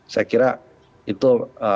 saya kira itu